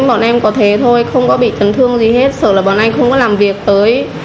bọn em có thể thôi không có bị trấn thương gì hết sợ là bọn anh không có làm việc tới